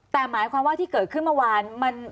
แต่หมายความว่าที่เกิดขึ้นเมื่อวาน